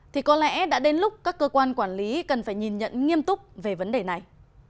thì có lẽ đã đến lúc các cơ quan quản lý cần phải nhìn nhận nghiêm túc về vấn đề này